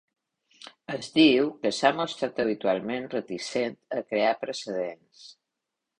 Es diu que s'ha mostrat habitualment reticent a crear precedents.